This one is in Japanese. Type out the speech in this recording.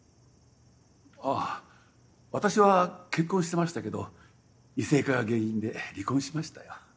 あぁ私は結婚してましたけど異性化が原因で離婚しましたよ。